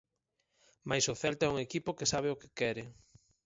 Mais o Celta é un equipo que sabe o que quere.